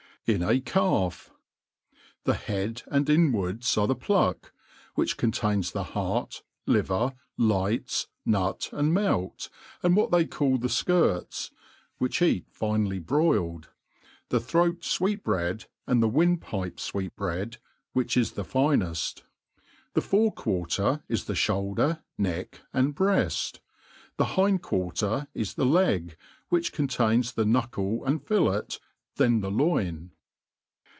In a Calf. THE head and inwards are the pluck) which contains the heart; liver, lights, nut, and melc, and what they call the ikirts (which eat finely broiled), the throat fweetbread', and the wind pipe fweetbread, which is thefineft. The fore quarter is the fhoulder, neck, and breaft. . The hind quarter is the leg, which contains the knuckle and fillet, then the loin.